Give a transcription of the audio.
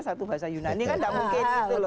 satu bahasa yunani kan tidak mungkin